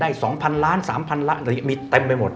ได้สองพันล้านสามพันล้านมีเต็มไปหมด